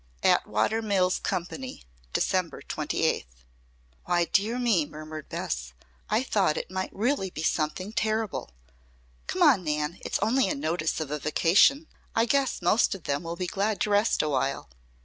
ATWATER MILLS COMPANY. December 28th. "Why, dear me!" murmured Bess. "I thought it might really be something terrible. Come on, Nan. It's only a notice of a vacation. I guess most of them will be glad to rest awhile."